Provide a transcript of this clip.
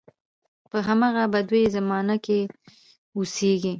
په همغه بدوي زمانو کې اوسېږي.